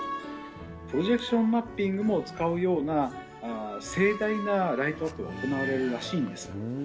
プロジェクションマッピングも使うような、盛大なライトアップが行われるらしいんです。